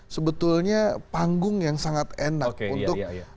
sebetulnya panggung yang sangat enak untuk